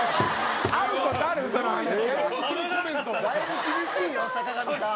だいぶ厳しいよ坂上さん。